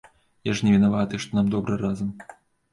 Я ж не вінаваты, што нам добра разам.